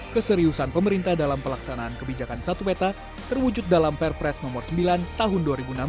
keseriusan pemerintah dalam pelaksanaan kebijakan satu peta terwujud dalam perpres nomor sembilan tahun dua ribu enam belas